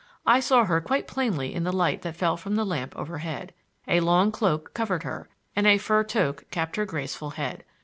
I saw her quite plainly in the light that fell from the lamp overhead. A long cloak covered her, and a fur toque capped her graceful head.